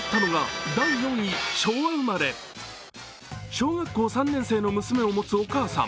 小学校３年生の娘を持つお母さん。